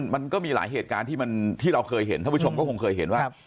มันก็มีหลายเหตุการณ์ที่เราเคยเห็นท่านผู้ชมก็คงเคยเห็นว่า